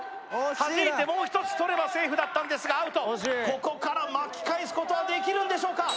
はじいてもう一つ取ればセーフだったんですがアウトここから巻き返すことはできるんでしょうか？